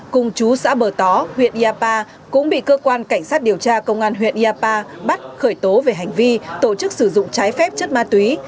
cùng chú xã bờ tó huyện iapa cũng bị cơ quan cảnh sát điều tra công an huyện iapa bắt khởi tố về hành vi tổ chức sử dụng trái phép chất ma túy